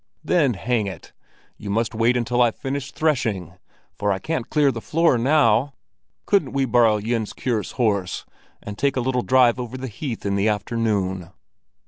"Then, hang it, you must wait until I've finished threshing, for I can't clear the floor now. Couldn't we borrow Jens Kure's horse, and take a little drive over the heath in the afternoon?"